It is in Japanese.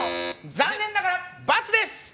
残念ながら、×です。